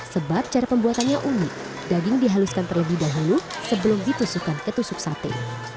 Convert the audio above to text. sebab cara pembuatannya unik daging dihaluskan terlebih dahulu sebelum ditusukkan ke tusuk sate